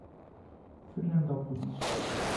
Fernandópolis